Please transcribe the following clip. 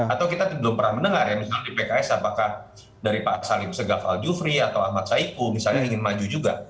atau kita belum pernah mendengar ya misalnya di pks apakah dari pak salim segaf al jufri atau ahmad saiku misalnya ingin maju juga